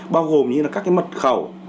bao gồm như các mật khẩu